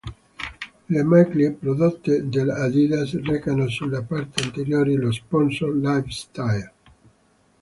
Le maglie, prodotte dall'Adidas, recano sulla parte anteriore lo sponsor Lifestyle.